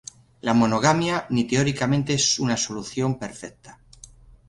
La monogamia ni teóricamente es una solución perfecta.